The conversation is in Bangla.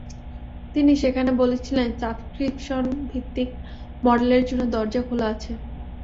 তিনি সেখানে বলেছিলেন, সাবস্ক্রিপশনভিত্তিক মডেলের জন্য দরজা খোলা আছে।